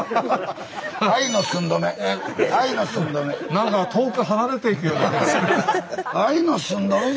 何か遠く離れていくようなんですけど。